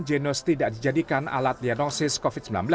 genos tidak dijadikan alat diagnosis covid sembilan belas